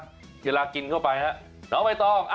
เวลากินเข้าไปฮะน้องใบตอง